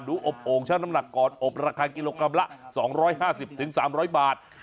อบโอ่งช่างน้ำหนักก่อนอบราคากิโลกรัมละ๒๕๐๓๐๐บาท